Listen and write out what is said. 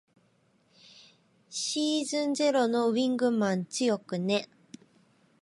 シーズンゼロのウィングマン強くね。